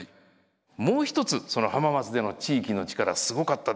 もう一つ浜松での地域の力すごかったですよね。